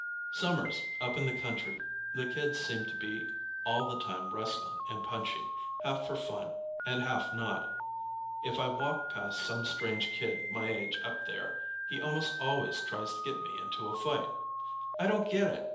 Summers, up in the country, the kids seem to be all the time wrestling and punching, half for fun and half not. If I walk past some strange kid my age up there, he almost always tries to get me into a fight. I don't get it.